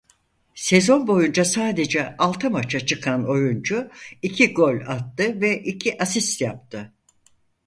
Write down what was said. Sezon boyunca sadece altı maça çıkan oyuncu iki gol attı ve iki asist yaptı.